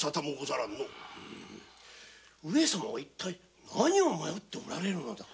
上様は一体何を迷っておられるのだ！